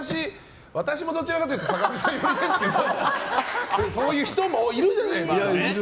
私もどちらかというと坂上さん寄りですけどそういう人もいるじゃないですか。